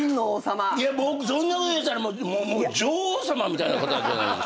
そんなこといったらもう女王様みたいな方じゃないですか。